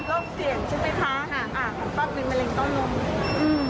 โรคเสี่ยงใช่ไหมคะของป้ามีมะเร็งต้องลง